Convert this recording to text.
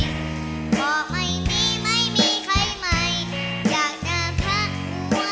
อมประมาพูดก็ไม่เชียว